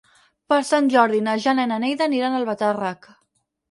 Per Sant Jordi na Jana i na Neida aniran a Albatàrrec.